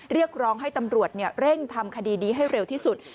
เรียกร้องให้ตำรวจเร่งทำคดีนี้ให้เร็วที่สุด